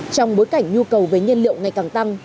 trong bối cảnh nhu cầu về nhân liệu ngày càng tăng